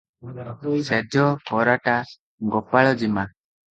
ଶେଜ ପରାଟା ଗୋପାଳ ଜିମା ।